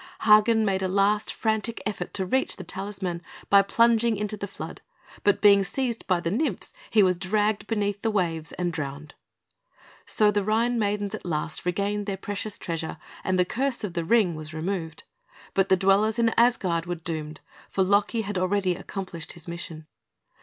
Hagen made a last frantic effort to reach the talisman by plunging into the flood; but being seized by the nymphs, he was dragged beneath the waves and drowned. So the Rhine maidens at last regained their precious treasure, and the curse of the Ring was removed; but the dwellers in Asgard were doomed, for Loki had already accomplished his mission.